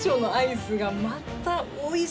また。